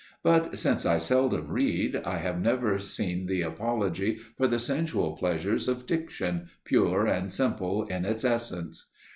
But, since I seldom read, I have never seen the apology for the sensual pleasures of diction, pure and simple in its essence.